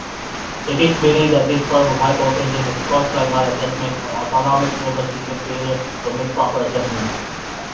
It is believed that this form of hypotension is caused by maladjustment or autonomic nervous system failure to make proper adjustments.